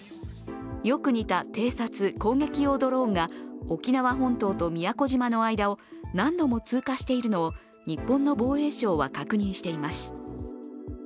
よく似た偵察・攻撃用ドローンが沖縄本島と宮古島の間を何度も通過しているのを日本の防衛省は確認しています。